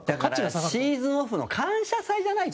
だから、シーズンオフの感謝祭じゃないと。